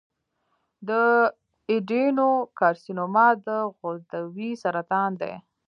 د ایڈینوکارسینوما د غدودي سرطان دی.